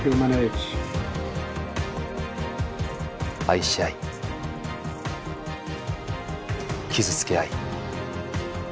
愛し合い傷つけ合い